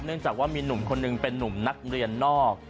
จากว่ามีหนุ่มคนหนึ่งเป็นนุ่มนักเรียนนอก